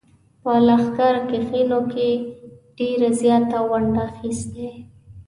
په لښکرکښیو کې یې ډېره زیاته ونډه اخیستې.